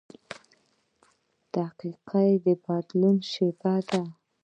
• دقیقه د بدلون شیبه ده.